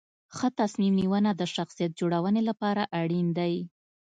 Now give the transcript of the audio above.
ښه تصمیم نیونه د شخصیت جوړونې لپاره اړین دي.